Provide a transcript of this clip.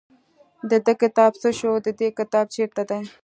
د ده کتاب څه شو د دې کتاب چېرته دی.